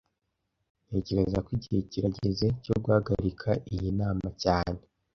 Ntekereza ko igihe kirageze cyo guhagarika iyi nama cyane